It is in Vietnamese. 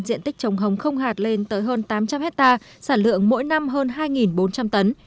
diện tích trồng hồng không hạt lên tới hơn tám trăm linh hectare sản lượng mỗi năm hơn hai bốn trăm linh tấn